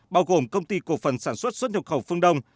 bao gồm công ty cổ phần sản xuất xuất nhập khẩu phương đông